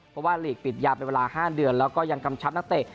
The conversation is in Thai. เพราะว่าลีกปิดยาวเป็นเวลา๕เดือนแล้วก็ยังกำชับนักเตะ